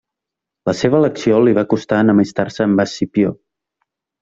La seva elecció li va costar enemistar-se amb Escipió.